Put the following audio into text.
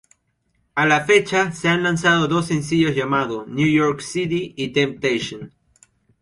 A la fecha se han lanzado dos sencillos llamados "New York City" y "Temptation".